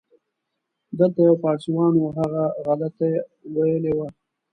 دلته یو پاړسیوان و، هغه غلطه ویلې وه.